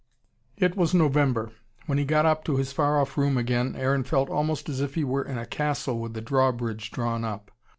It was November. When he got up to his far off room again, Aaron felt almost as if he were in a castle with the drawbridge drawn up.